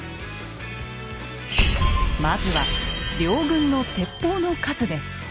まずは両軍の鉄砲の数です。